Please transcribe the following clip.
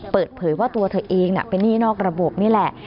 เปิดเผยว่าตัวเธอเองเป็นหนี้นอกระบบนี่แหละ